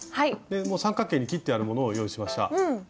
でもう三角形に切ってあるものを用意しました。